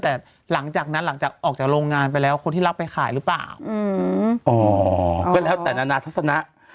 แต่หลังจากนั้นหลังจากออกจากโรงงานไปแล้วคนที่รับไปขายรึเปล่า